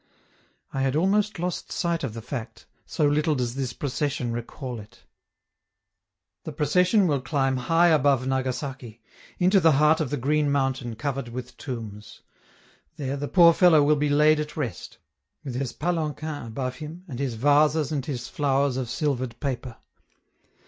I had almost lost sight of the fact, so little does this procession recall it. The procession will climb high above Nagasaki, into the heart of the green mountain covered with tombs. There the poor fellow will be laid at rest, with his palanquin above him, and his vases and his flowers of silvered paper.